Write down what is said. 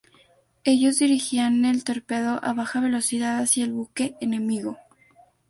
Ellos dirigían el torpedo a baja velocidad hacia el buque enemigo.